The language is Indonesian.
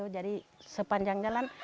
jadi sepanjang jalan